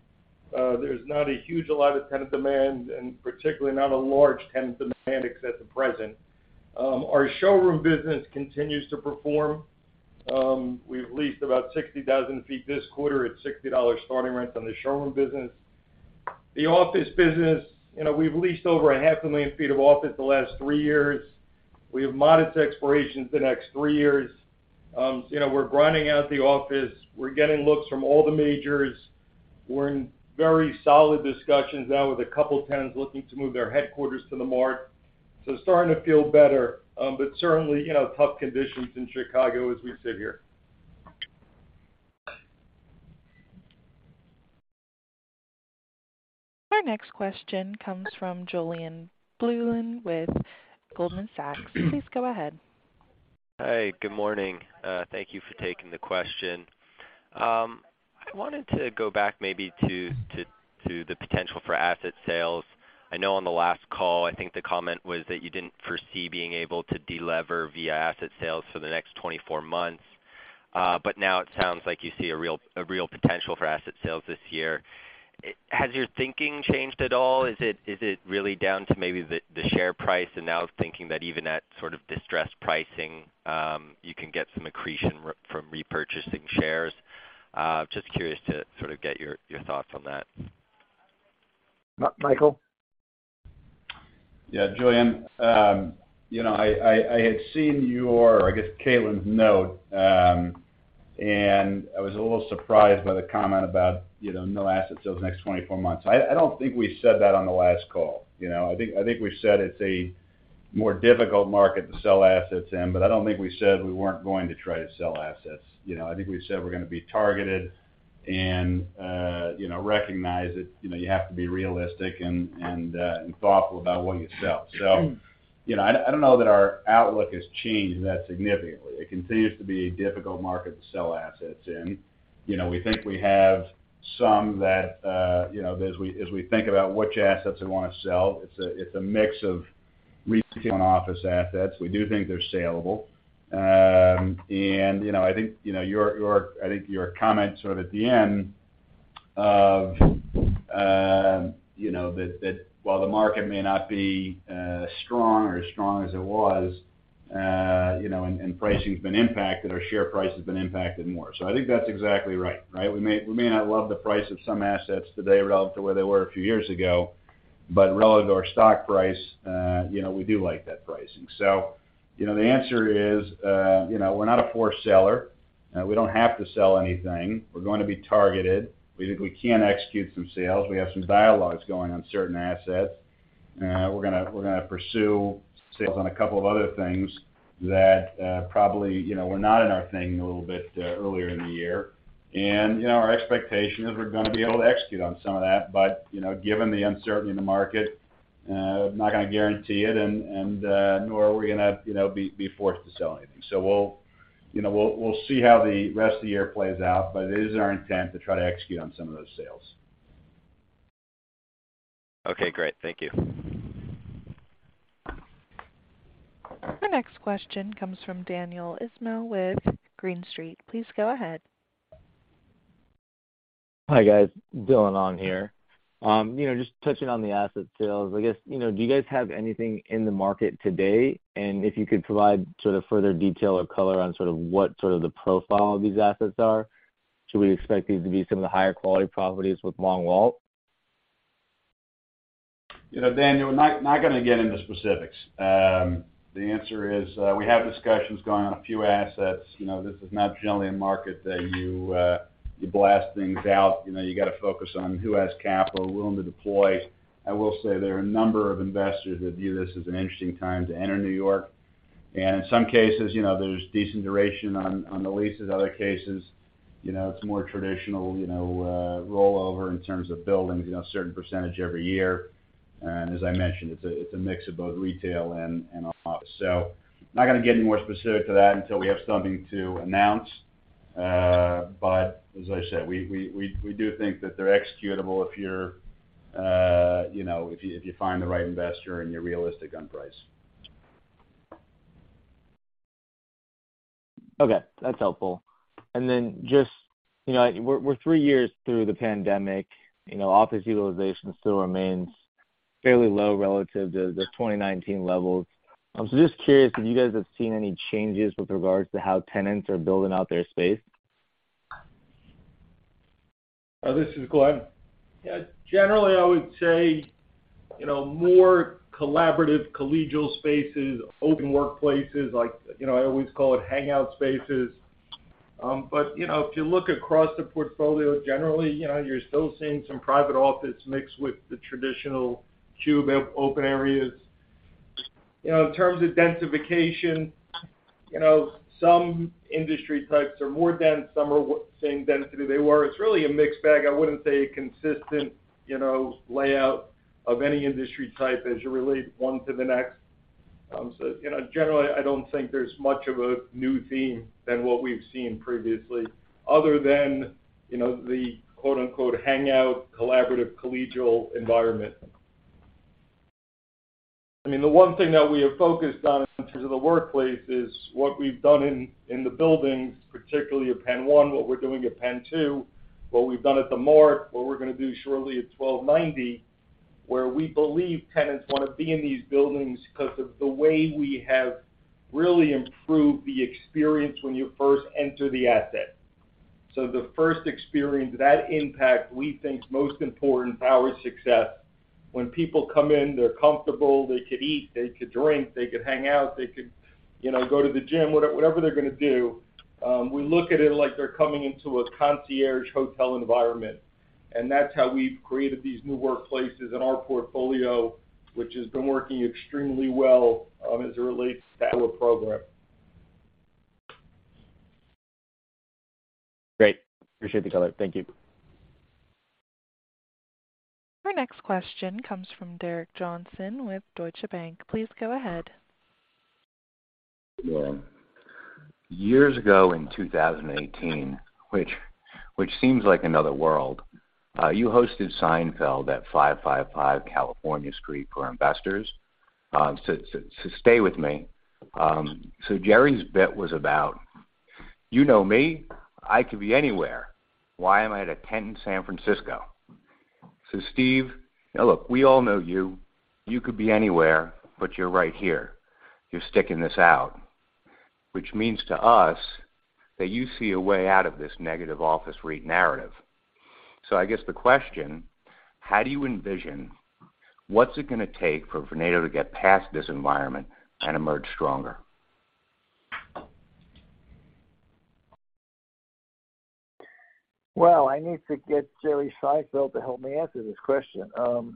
There's not a huge lot of tenant demand, particularly not a large tenant demand except the present. Our showroom business continues to perform. We've leased about 60,000 sq ft this quarter at $60 starting rent on the showroom business. The Office business, you know, we've leased over a 500,000 sq ft of office the last three years. We have modest expirations the next three years. you know, we're grinding out the office. We're getting looks from all the majors. We're in very solid discussions now with a couple of tenants looking to move their headquarters to the MART. Starting to feel better, certainly, you know, tough conditions in Chicago as we sit here. Our next question comes from Julien Blouin with Goldman Sachs. Please go ahead. Hi, good morning. Thank you for taking the question. I wanted to go back maybe to the potential for asset sales. I know on the last call, I think the comment was that you didn't foresee being able to delever via asset sales for the next 24 months. Now it sounds like you see a real potential for asset sales this year. Has your thinking changed at all? Is it really down to maybe the share price and now thinking that even at sort of distressed pricing, you can get some accretion from repurchasing shares? Just curious to sort of get your thoughts on that. Michael? Julien, you know, I had seen your, I guess, Caitlin's note, I was a little surprised by the comment about, you know, no assets those next 24 months. I don't think we said that on the last call, you know. I think we said it's a more difficult market to sell assets in, I don't think we said we weren't going to try to sell assets. You know, I think we said we're gonna be targeted, you know, recognize that, you know, you have to be realistic and thoughtful about what you sell. You know, I don't know that our outlook has changed that significantly. It continues to be a difficult market to sell assets in. You know, we think we have some that, you know, as we think about which assets we wanna sell, it's a mix of retail and office assets. We do think they're salable. I think, you know, your, I think your comment sort of at the end of, you know, that while the market may not be as strong or as strong as it was, you know, and pricing's been impacted, our share price has been impacted more. I think that's exactly right? We may not love the price of some assets today relative to where they were a few years ago, but relative to our stock price, you know, we do like that pricing. The answer is, you know, we're not a poor seller. We don't have to sell anything. We're gonna be targeted. We think we can execute some sales. We have some dialogues going on certain assets. We're gonna pursue sales on a couple of other things that probably, you know, were not in our thing a little bit earlier in the year. You know, our expectation is we're gonna be able to execute on some of that. You know, given the uncertainty in the market, I'm not gonna guarantee it and nor are we gonna, you know, be forced to sell anything. We'll, you know, we'll see how the rest of the year plays out, but it is our intent to try to execute on some of those sales. Okay, great. Thank you. The next question comes from Daniel Ismail with Green Street. Please go ahead. Hi, guys. Dylan on here. you know, just touching on the asset sales, I guess, you know, do you guys have anything in the market today? If you could provide sort of further detail or color on sort of what sort of the profile of these assets are. Should we expect these to be some of the higher quality properties with long wall? You know, Dylan, we're not gonna get into specifics. The answer is, we have discussions going on a few assets. You know, this is not generally a market that you blast things out. You know, you gotta focus on who has capital, willing to deploy. I will say there are a number of investors that view this as an interesting time to enter New York. In some cases, you know, there's decent duration on the leases. Other cases, you know, it's more traditional, you know, rollover in terms of buildings, you know, a certain percentage every year. As I mentioned, it's a mix of both retail and office. Not gonna get any more specific to that until we have something to announce. As I said, we do think that they're executable if you're, you know, if you, if you find the right investor and you're realistic on price. Okay, that's helpful. Just, you know, we're three years through the pandemic. You know, office utilization still remains fairly low relative to the 2019 levels. I was just curious if you guys have seen any changes with regards to how tenants are building out their space. This is Glen. Generally, I would say, you know, more collaborative collegial spaces, open workplaces, like, you know, I always call it hangout spaces. You know, if you look across the portfolio generally, you know, you're still seeing some private office mixed with the traditional cube open areas. You know, in terms of densification, you know, some industry types are more dense, some are same density they were. It's really a mixed bag. I wouldn't say a consistent, you know, layout of any industry type as you relate one to the next. You know, generally, I don't think there's much of a new theme than what we've seen previously other than, you know, the quote-unquote, hangout, collaborative, collegial environment. I mean, the one thing that we have focused on in terms of the workplace is what we've done in the buildings, particularly PENN 1, what we're doing PENN 2, what we've done at the MART, what we're gonna do shortly at 1290, where we believe tenants wanna be in these buildings because of the way we have really improved the experience when you first enter the asset. The first experience, that impact we think is most important to our success. When people come in, they're comfortable, they could eat, they could drink, they could hang out, they could, you know, go to the gym, whatever they're gonna do. We look at it like they're coming into a concierge hotel environment. That's how we've created these new workplaces in our portfolio, which has been working extremely well, as it relates to our program. Great. Appreciate the color. Thank you. Our next question comes from Derek Johnston with Deutsche Bank. Please go ahead. Yeah. Years ago in 2018, which seems like another world, you hosted Seinfeld at 555 California Street for investors. stay with me. Jerry's bit was about, "You know me. I could be anywhere. Why am I at a tent in San Francisco?" Steve, now look, we all know you. You could be anywhere, but you're right here. You're sticking this out, which means to us that you see a way out of this negative office REIT narrative. I guess the question, how do you envision what's it gonna take for Vornado to get past this environment and emerge stronger? Well, I need to get Jerry Seinfeld to help me answer this question. You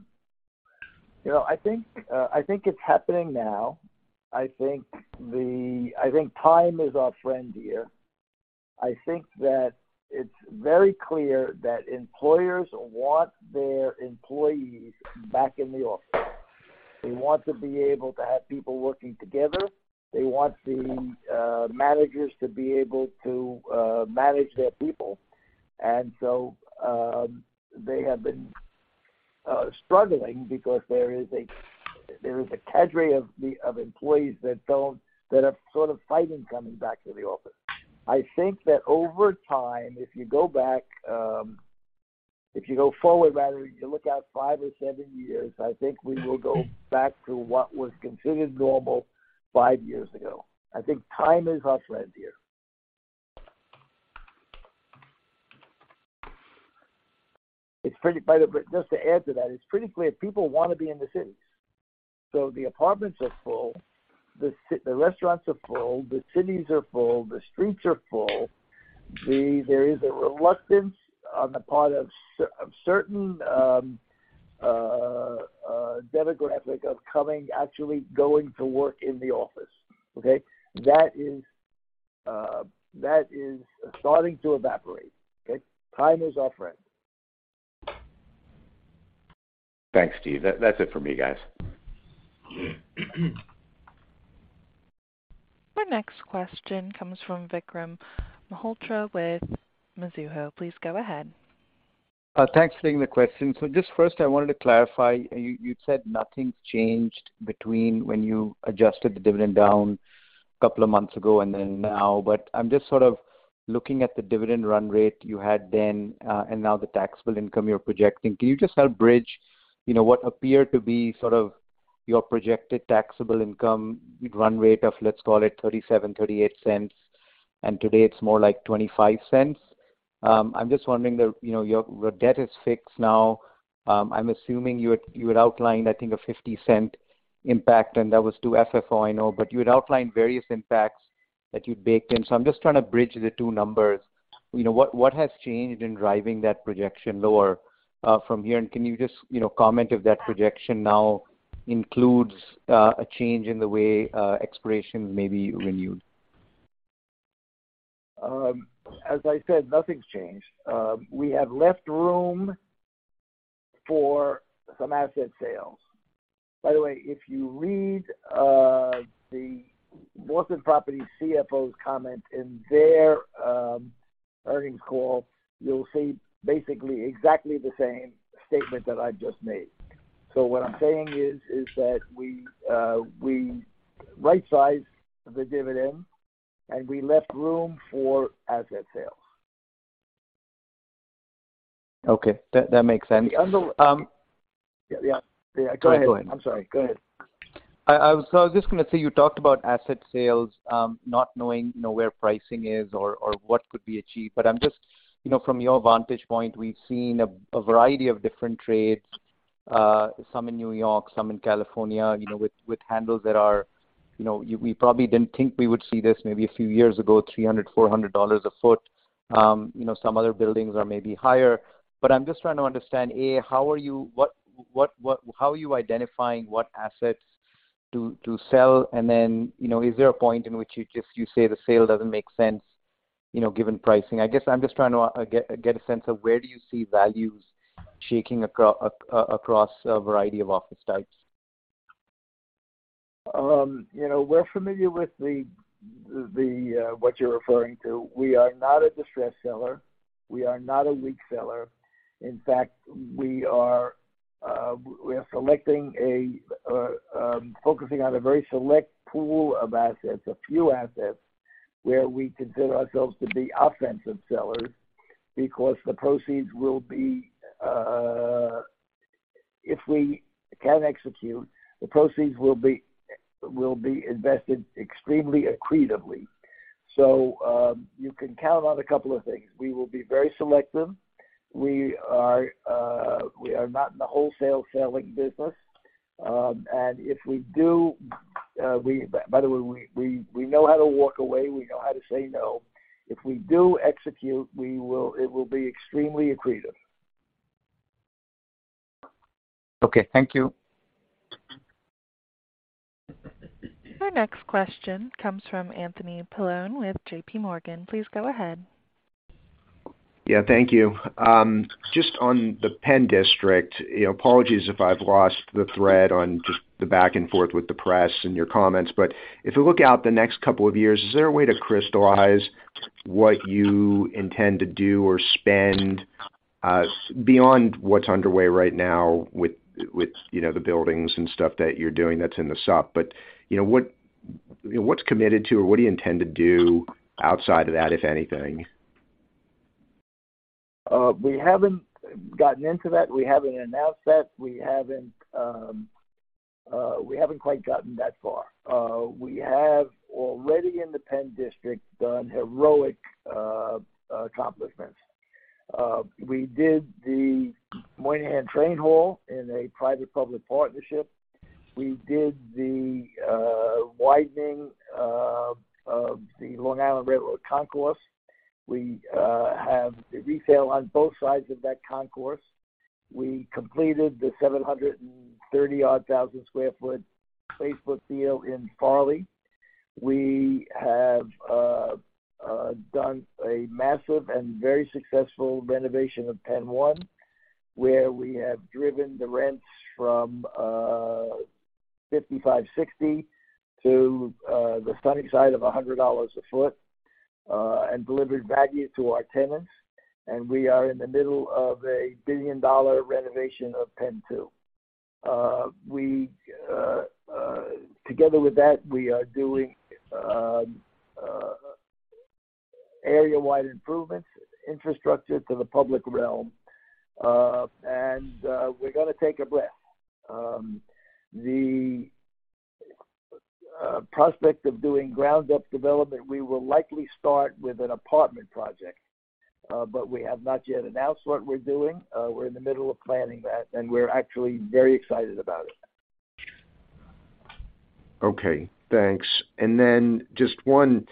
know, I think it's happening now. I think time is our friend here. I think that it's very clear that employers want their employees back in the office. They want to be able to have people working together. They want the managers to be able to manage their people. they have been struggling because there is a cadre of employees that are sort of fighting coming back to the office. I think that over time, if you go back, if you go forward rather, you look out five or seven years, I think we will go back to what was considered normal five years ago. I think time is our friend here. It's pretty... Just to add to that, it's pretty clear people wanna be in the cities. The apartments are full, the restaurants are full, the cities are full, the streets are full. There is a reluctance on the part of certain demographic of coming, actually going to work in the office. Okay? That is starting to evaporate. Okay? Time is our friend. Thanks, Steve. That's it for me, guys. Our next question comes from Vikram Malhotra with Mizuho. Please go ahead. Thanks for taking the question. Just first, I wanted to clarify. You said nothing's changed between when you adjusted the dividend down a couple of months ago and then now. I'm just sort of looking at the dividend run rate you had then, and now the taxable income you're projecting. Can you just help bridge, you know, what appeared to be sort of your projected taxable income run rate of, let's call it $0.37-$0.38, and today it's more like $0.25? I'm just wondering the... You know, your debt is fixed now. I'm assuming you had outlined I think a $0.50 impact, and that was to FFO, I know. You had outlined various impacts that you'd baked in. I'm just trying to bridge the two numbers. You know, what has changed in driving that projection lower from here? Can you just, you know, comment if that projection now includes a change in the way expirations may be renewed? As I said, nothing's changed. We have left room for some asset sales. If you read the Boston Properties CFO's comment in their earnings call, you'll see basically exactly the same statement that I just made. What I'm saying is that we right-sized the dividend, and we left room for asset sales. Okay. That makes sense. The under- um... Yeah, yeah. Yeah. Go ahead. Go ahead. I'm sorry. Go ahead. I was just gonna say, you talked about asset sales, not knowing, you know, where pricing is or what could be achieved. I'm just. You know, from your vantage point, we've seen a variety of different trades. Some in New York, some in California, you know, with handles that are. You know, we probably didn't think we would see this maybe a few years ago, $300, $400 a foot. You know, some other buildings are maybe higher. I'm just trying to understand, A, how are you identifying what assets to sell? Then, you know, is there a point in which you just say the sale doesn't make sense, you know, given pricing? I guess I'm just trying to get a sense of where do you see values shaking across a variety of office types? You know, we're familiar with the, what you're referring to. We are not a distressed seller. We are not a weak seller. In fact, we are, we are selecting a, focusing on a very select pool of assets, a few assets, where we consider ourselves to be offensive sellers because the proceeds will be, if we can execute, the proceeds will be invested extremely accretively. You can count on a couple of things. We will be very selective. We are, we are not in the wholesale selling business. If we do, by the way, we know how to walk away, we know how to say no. If we do execute, it will be extremely accretive. Okay, thank you. Our next question comes from Anthony Paolone with JPMorgan. Please go ahead. Yeah, thank you. Just on the PENN District, you know, apologies if I've lost the thread on just the back and forth with the press and your comments. If we look out the next couple of years, is there a way to crystallize what you intend to do or spend beyond what's underway right now with, you know, the buildings and stuff that you're doing that's in the sup? You know, what's committed to, or what do you intend to do outside of that, if anything? We haven't gotten into that. We haven't announced that. We haven't quite gotten that far. We have already in the PENN District done heroic accomplishments. We did the Moynihan Train Hall in a private-public partnership. We did the widening of the Long Island Railroad Concourse. We have retail on both sides of that concourse. We completed the 730-odd thousand sq ft Facebook deal in Farley. We have done a massive and very successful renovation PENN 1, where we have driven the rents from $55-$60 to the sunny side of $100 a foot, and delivered value to our tenants. We are in the middle of a billion-dollar renovation of PENN 2. We, together with that, we are doing area-wide improvements, infrastructure to the public realm, and we're gonna take a breath. The prospect of doing ground-up development, we will likely start with an apartment project. We have not yet announced what we're doing. We're in the middle of planning that, and we're actually very excited about it. Okay, thanks. Just one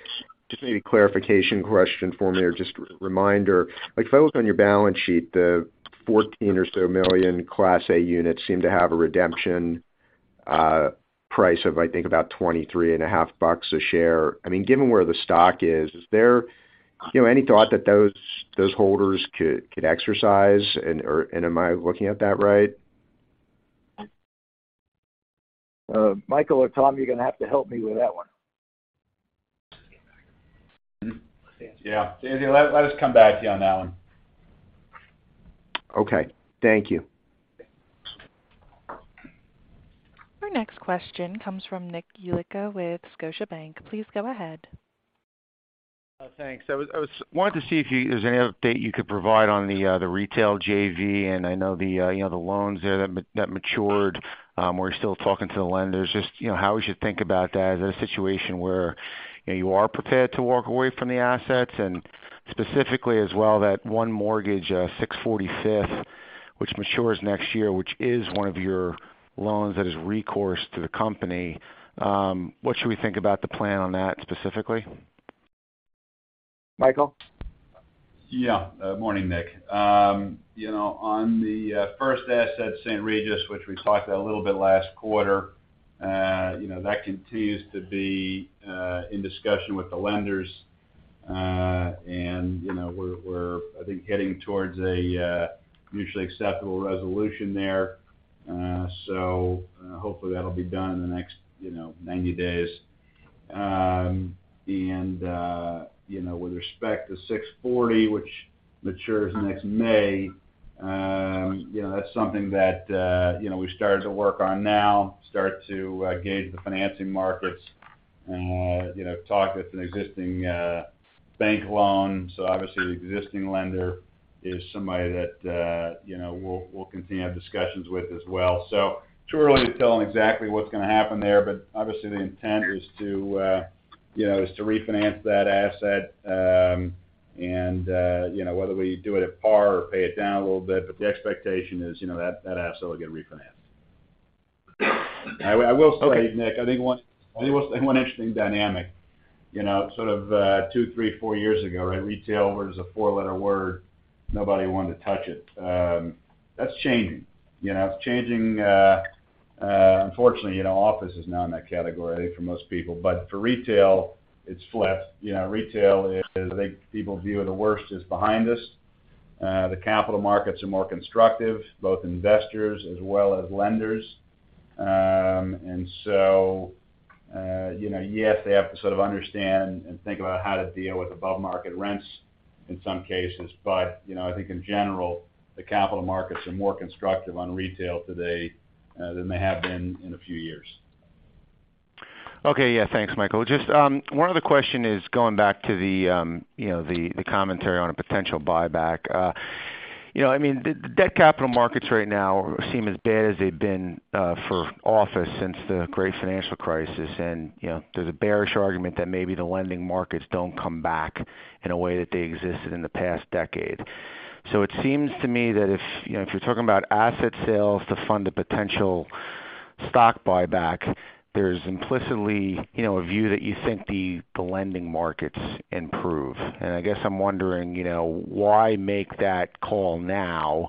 just maybe clarification question for me, or just re-reminder. Like, if I look on your balance sheet, the 14 or so million Class A units seem to have a redemption price of, I think, about $23.5 a share. I mean, given where the stock is there, you know, any thought that those holders could exercise? Am I looking at that right? Michael or Tom, you're gonna have to help me with that one. Yeah. Anthony, let us come back to you on that one. Okay. Thank you. Our next question comes from Nick Yulico with Scotiabank. Please go ahead. Thanks. I wanted to see if you there's any update you could provide on the retail JV. I know the, you know, the loans there that matured, or you're still talking to the lenders. Just, you know, how we should think about that. Is that a situation where, you know, you are prepared to walk away from the assets? Specifically as well, that one mortgage, 640 Fifth, which matures next year, which is one of your loans that is recourse to the company, what should we think about the plan on that specifically? Michael? Morning, Nick. You know, on the first asset, St. Regis, which we talked a little bit last quarter, you know, that continues to be in discussion with the lenders. You know, we're, I think, getting towards a mutually acceptable resolution there. Hopefully that'll be done in the next, you know, 90 days. You know, with respect to 640, which matures next May, you know, that's something that, you know, we've started to work on now, start to gauge the financing markets, you know, talk with an existing bank loan. Obviously, the existing lender is somebody that, you know, we'll continue to have discussions with as well. Too early to tell exactly what's gonna happen there, but obviously, the intent is to, you know, is to refinance that asset. And, you know, whether we do it at par or pay it down a little bit, but the expectation is, you know, that asset will get refinanced. I will say, Nick, I think one interesting dynamic, you know, sort of, two, three, four years ago, right, retail was a four-letter word. Nobody wanted to touch it. That's changing. You know, it's changing. Unfortunately, you know, office is now in that category for most people. For retail, it's flipped. You know, retail is, I think, people view the worst is behind us. The capital markets are more constructive, both investors as well as lenders. You know, yes, they have to sort of understand and think about how to deal with above-market rents in some cases. You know, I think in general, the capital markets are more constructive on retail today than they have been in a few years. Okay. Yeah. Thanks, Michael. Just one other question is going back to the, you know, the commentary on a potential buyback. You know, I mean, the debt capital markets right now seem as bad as they've been for office since the great financial crisis. You know, there's a bearish argument that maybe the lending markets don't come back in a way that they existed in the past decade. It seems to me that if, you know, if you're talking about asset sales to fund a potential stock buyback, there's implicitly, you know, a view that you think the lending markets improve. I guess I'm wondering, you know, why make that call now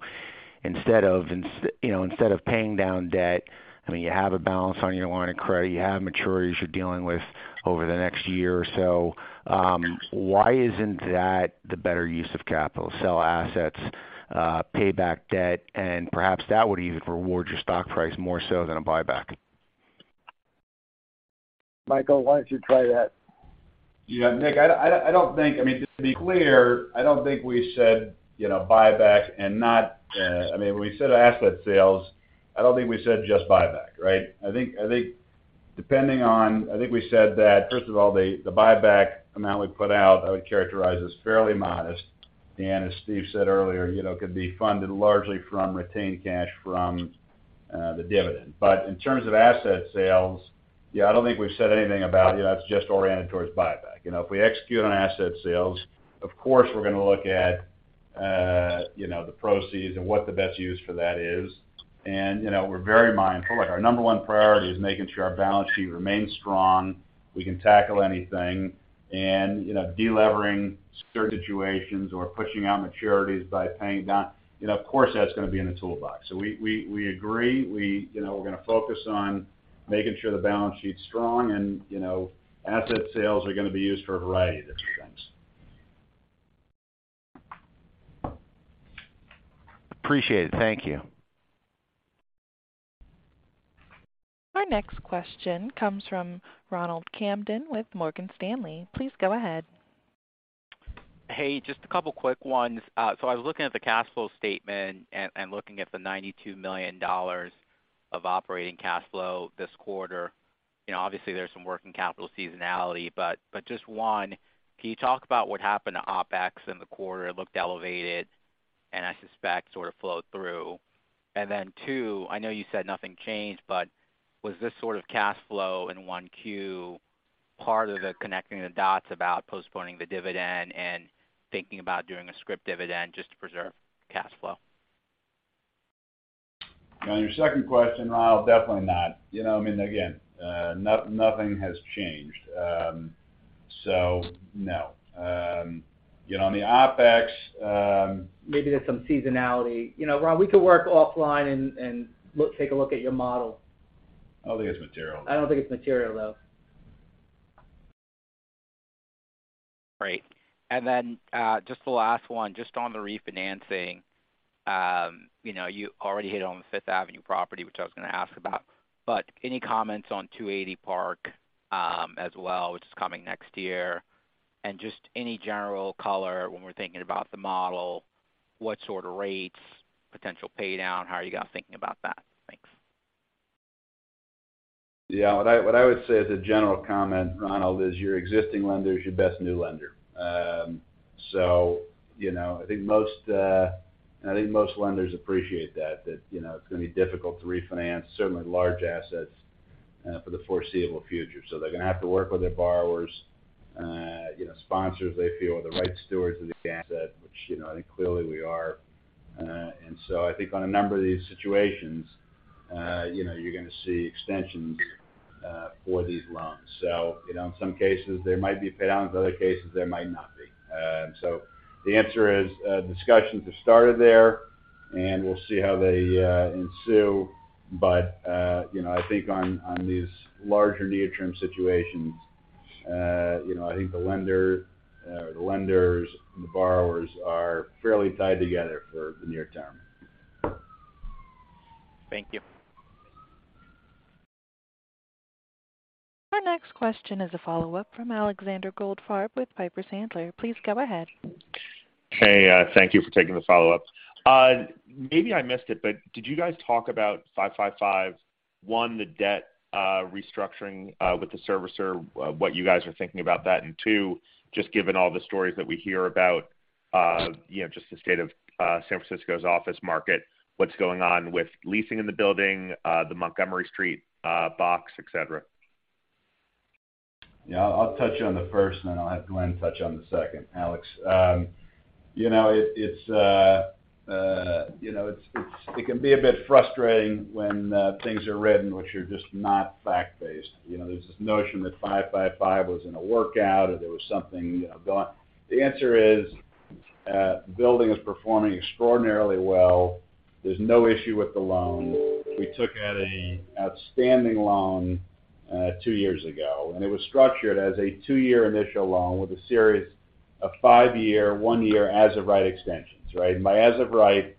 instead of you know, instead of paying down debt, I mean, you have a balance on your line of credit, you have maturities you're dealing with over the next year or so. Why isn't that the better use of capital? Sell assets, pay back debt, and perhaps that would even reward your stock price more so than a buyback. Michael, why don't you try that? Yeah. Nick, I mean, just to be clear, I don't think we said, you know, buyback and not. I mean, when we said asset sales, I don't think we said just buyback, right? I think depending on. I think we said that, first of all, the buyback amount we put out, I would characterize as fairly modest. As Steve said earlier, you know, could be funded largely from retained cash from the dividend. In terms of asset sales, yeah, I don't think we've said anything about, you know, that's just oriented towards buyback. You know, if we execute on asset sales, of course, we're gonna look at, you know, the proceeds and what the best use for that is. You know, we're very mindful. Like, our number one priority is making sure our balance sheet remains strong, we can tackle anything. You know, de-levering certain situations or pushing out maturities by paying down, you know, of course, that's gonna be in the toolbox. We agree. We, you know, we're gonna focus on making sure the balance sheet's strong and, you know, asset sales are gonna be used for a variety of different things. Appreciate it. Thank you. Our next question comes from Ronald Kamdem with Morgan Stanley. Please go ahead. Hey, just a couple quick ones. I was looking at the cash flow statement and looking at the $92 million of operating cash flow this quarter. You know, obviously, there's some working capital seasonality, but just one, can you talk about what happened to OpEx in the quarter? It looked elevated, and I suspect sort of flowed through. Then two, I know you said nothing changed, but was this sort of cash flow in 1Q, part of the connecting the dots about postponing the dividend and thinking about doing a scrip dividend just to preserve cash flow? On your second question, Ronald, definitely not. You know, I mean, again, nothing has changed. No. You know, on the OpEx. Maybe there's some seasonality. You know, Ron, we could work offline and take a look at your model. I don't think it's material. I don't think it's material, though. Great. Just the last one, just on the refinancing, you know, you already hit on the Fifth Avenue property, which I was gonna ask about. Any comments on 280 Park, as well, which is coming next year? Just any general color when we're thinking about the model, what sort of rates, potential pay down, how are you guys thinking about that? Thanks. What I would say as a general comment, Ronald, is your existing lender is your best new lender. I think most lenders appreciate that, you know, it's gonna be difficult to refinance certainly large assets for the foreseeable future. They're gonna have to work with their borrowers, you know, sponsors they feel are the right stewards of the asset, which, you know, I think clearly we are. I think on a number of these situations, you know, you're gonna see extensions for these loans. In some cases there might be pay downs, in other cases there might not be. The answer is, discussions have started there, and we'll see how they ensue. You know, I think on these larger near-term situations, you know, I think the lender, the lenders and the borrowers are fairly tied together for the near term. Thank you. Our next question is a follow-up from Alexander Goldfarb with Piper Sandler. Please go ahead. Hey, thank you for taking the follow-up. Maybe I missed it, but did you guys talk about 555, one, the debt restructuring with the servicer, what you guys are thinking about that? Two, just given all the stories that we hear about, you know, just the state of San Francisco's office market, what's going on with leasing in the building, the Montgomery Street box, et cetera? I'll touch on the first, and then I'll have Glen touch on the second, Alex. You know, it's, you know, it can be a bit frustrating when things are written which are just not fact-based. You know, there's this notion that 555 was in a workout or there was something, you know, going... The answer is, the building is performing extraordinarily well. There's no issue with the loan. We took out an outstanding loan two years ago, and it was structured as a two-year initial loan with a series of five-year, one-year as of right extensions, right? By as of right,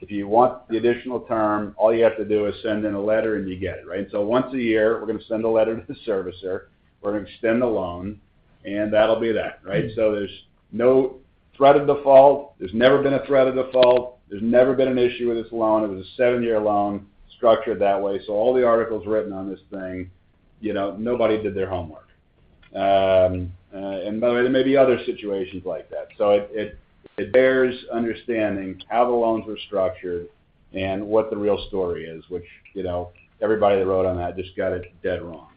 if you want the additional term, all you have to do is send in a letter and you get it, right? Once a year, we're gonna send a letter to the servicer. We're gonna extend the loan, and that'll be that, right? There's no threat of default. There's never been a threat of default. There's never been an issue with this loan. It was a seven-year loan structured that way. All the articles written on this thing, you know, nobody did their homework. By the way, there may be other situations like that. It bears understanding how the loans were structured and what the real story is, which, you know, everybody that wrote on that just got it dead wrong.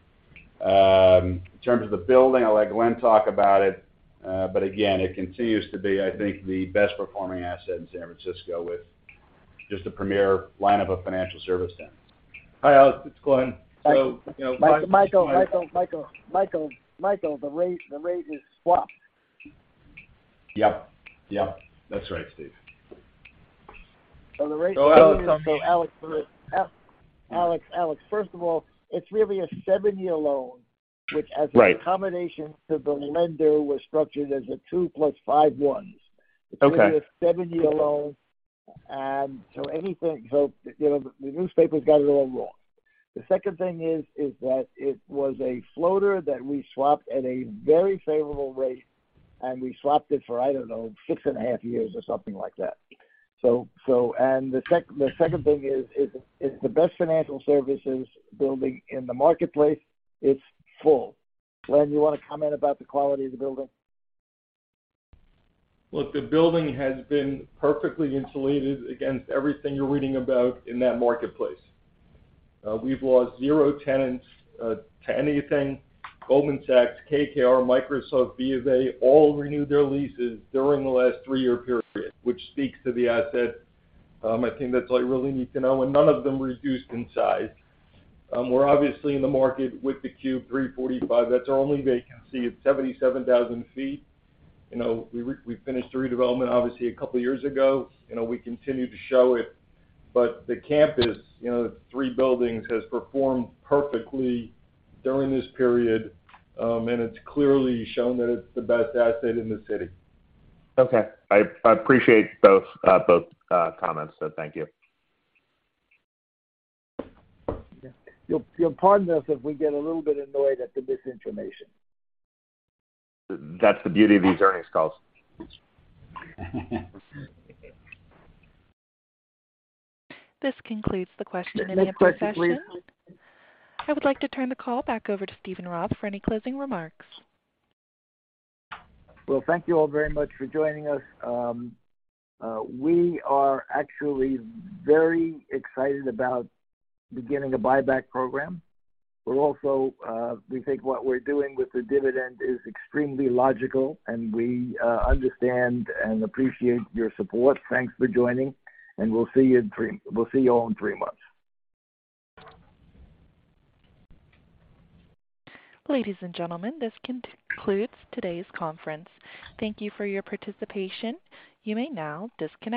In terms of the building, I'll let Glen talk about it. Again, it continues to be, I think, the best performing asset in San Francisco with just a premier lineup of financial service centers. Hi, Alex, it's Glen. You know. Michael, the rate is swapped. Yep. That's right, Steve. So the rate- Go ahead. Alex, first of all, it's really a seven-year loan. Right. a combination to the lender was structured as a two plus five 1s. Okay. It's really a seven-year loan. You know, the newspapers got it all wrong. The second thing is that it was a floater that we swapped at a very favorable rate, and we swapped it for, I don't know, 6.5 years or something like that. The second thing is it's the best financial services building in the marketplace. It's full. Glen, you wanna comment about the quality of the building? The building has been perfectly insulated against everything you're reading about in that marketplace. We've lost zero tenants to anything. Goldman Sachs, KKR, Microsoft, BofA, all renewed their leases during the last three-year period, which speaks to the asset. I think that's all you really need to know. None of them reduced in size. We're obviously in the market with The Cube 345. That's our only vacancy. It's 77,000 sq ft. You know, we finished the redevelopment obviously a couple of years ago. You know, we continue to show it. The campus, you know, the three buildings has performed perfectly during this period. It's clearly shown that it's the best asset in the city. Okay. I appreciate both comments. Thank you. You'll pardon us if we get a little bit annoyed at the misinformation. That's the beauty of these earnings calls. This concludes the question and answer session. Any questions, please. I would like to turn the call back over to Steven Roth for any closing remarks. Well, thank you all very much for joining us. We are actually very excited about beginning a buyback program, but also, we think what we're doing with the dividend is extremely logical, and we understand and appreciate your support. Thanks for joining, and we'll see you all in three months. Ladies and gentlemen, this concludes today's conference. Thank you for your participation. You may now disconnect.